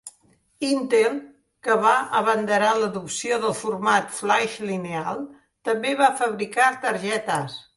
Intel, que va abanderar l'adopció del format Flaix Lineal, també va fabricar targetes.